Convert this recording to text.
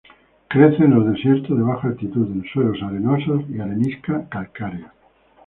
Crece en los desiertos de baja altitud, en suelos arenosos y arenisca calcárea.